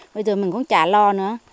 bây giờ mình cũng chả lo nữa